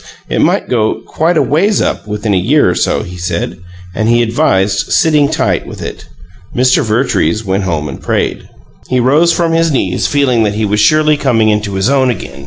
It might go "quite a ways up" within a year or so, he said, and he advised "sitting tight" with it. Mr. Vertrees went home and prayed. He rose from his knees feeling that he was surely coming into his own again.